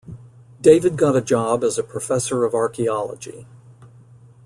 David got a job as a professor of archaeology.